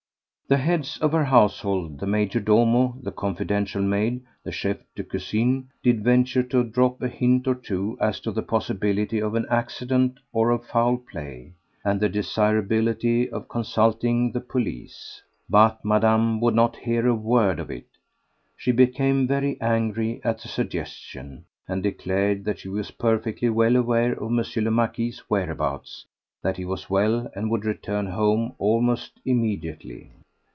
The heads of her household, the major domo, the confidential maid, the chef de cuisine, did venture to drop a hint or two as to the possibility of an accident or of foul play, and the desirability of consulting the police; but Madame would not hear a word of it; she became very angry at the suggestion, and declared that she was perfectly well aware of M. le Marquis's whereabouts, that he was well and would return home almost immediately.